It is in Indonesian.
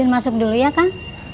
masuk dulu ya kang